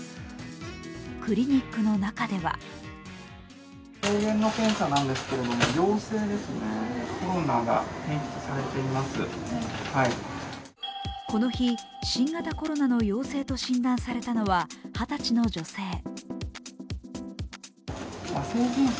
クリニックの中ではこの日、新型コロナの陽性と診断されたのははたちの女性。